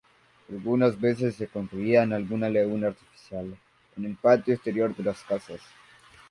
Algunas veces se construía una laguna artificial en el patio exterior de las casas.